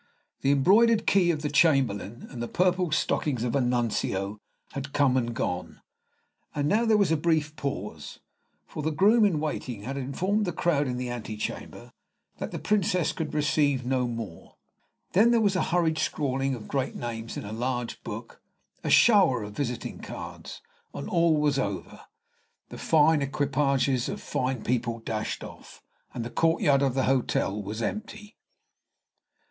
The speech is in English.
The embroidered key of the Chamberlain and the purple stockings of a Nuncio had come and gone; and now there was a Brief pause, for the groom in waiting had informed the crowd in the antechamber that the Princess could receive no more. Then there was a hurried scrawling of great names in a large book, a shower of visiting cards, and all was over; the fine equipages of fine people dashed off, and the courtyard of the hotel was empty.